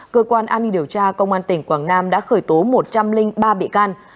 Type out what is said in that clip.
cơ quan an ninh điều tra công an tỉnh quảng nam đã khởi tố một trăm linh ba bị can